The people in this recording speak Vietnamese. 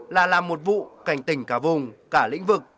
là làm một vụ cảnh tỉnh cả vùng cả lĩnh vực